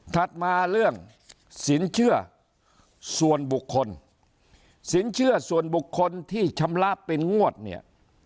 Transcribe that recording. มาเรื่องสินเชื่อส่วนบุคคลสินเชื่อส่วนบุคคลที่ชำระเป็นงวดเนี่ย